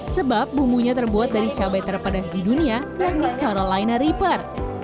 sebab bumbunya terbuat dari cabai terpedas di dunia yakni carolina riper